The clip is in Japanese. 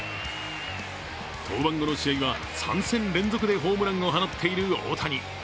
登板後の試合は３戦連続でホームランを放っている大谷。